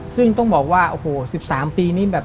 ซึ่งต้องบอกว่า๑๓ปีนี้